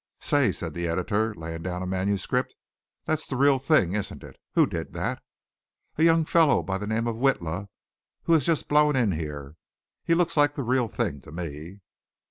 "Say," said the Editor, laying down a manuscript, "that's the real thing, isn't it? Who did that?" "A young fellow by the name of Witla, who has just blown in here. He looks like the real thing to me."